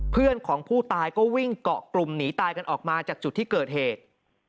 เพื่อนของผู้ตายก็วิ่งเกาะกลุ่มหนีตายกันออกมาจากจุดที่เกิดเหตุ